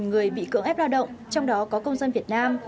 và giải cứu hơn một người bị cưỡng ép lao động trong đó có công dân việt nam